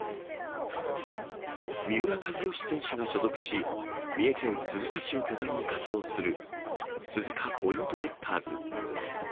三浦知良選手が所属し、三重県鈴鹿市を拠点に活動する、鈴鹿ポイントゲッターズ。